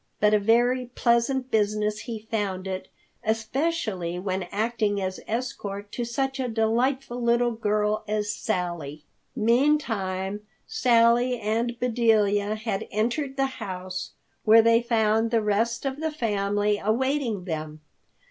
But a very pleasant business he found it, especially when acting as escort to such a delightful little girl as Sally. Meantime Sally and Bedelia had entered the house, where they found the rest of the family awaiting them.